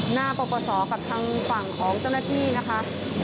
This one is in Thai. ปรปศกับทางฝั่งของเจ้าหน้าที่นะคะ